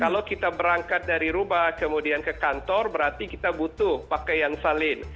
kalau kita berangkat dari rubah kemudian ke kantor berarti kita butuh pakaian salin